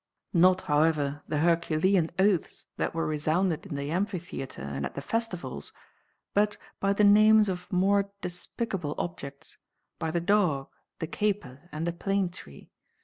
Not, however, the Herculean oaths that were resounded in the amphitheatre and at the festivals, but by the names of more despicable objects, by the dog, the caper, and the plane tree.